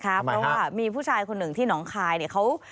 นะคะเพราะว่ามีผู้ชายคนนึงที่น้องคายเขา